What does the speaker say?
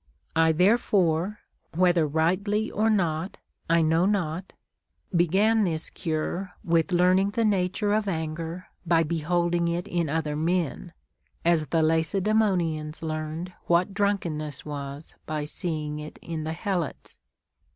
6. I therefore, whether rightly or not I know not, began this cure with learning the nature of aiiger by be holding it in other men, as the Lacedaemonians learned what drunkenness was by seeing it in the Helots.